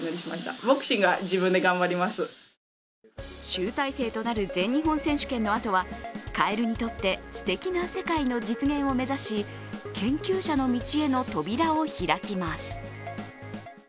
集大成となる全日本選手権のあとは、カエルにとってすてきな世界の実現を目指し研究者の道への扉を開きます。